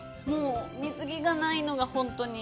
水着がないのが本当に。